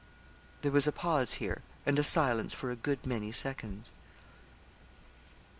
There was a pause here, and a silence for a good many seconds.